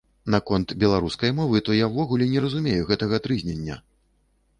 Наконт беларускай мовы, то я ўвогуле не разумею гэтага трызнення.